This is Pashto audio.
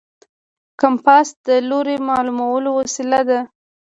کمپاس د لوري معلومولو وسیله ده.